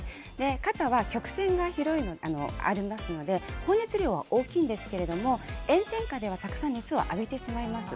肩は直線がありますので放熱量は大きいんですけど炎天下ではたくさん熱を浴びてしまいます。